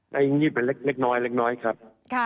ได้อีกนิดเป็นเล็กน้อยครับ